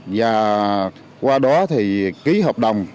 và qua đó thì ký hợp đồng